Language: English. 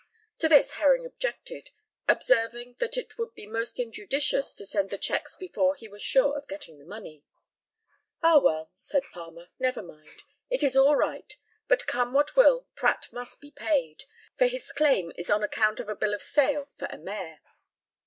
To this Herring objected, observing that it would be most injudicious to send the cheques before he was sure of getting the money. "Ah, well," said Palmer, "never mind it is all right; but come what will, Pratt must be paid, for his claim is on account of a bill of sale for a mare."